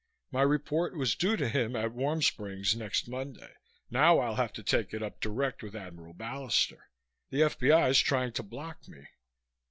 My report was due to him at Warm Springs next Monday. Now I'll have to take it up direct with Admiral Ballister. The F.B.I.'s trying to block me."